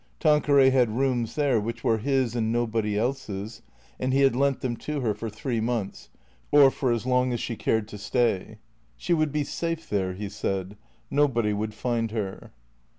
Tanqueray had rooms there which were his and nobody else's, and he had lent them to her for three months, or for as long as she cared to stay. She would be safe there, he said. Nobody would find her.